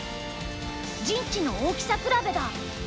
陣地の大きさ比べだ！